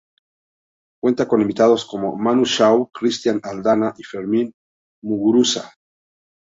Cuenta con invitados como Manu Chao, Cristian Aldana y Fermin Muguruza.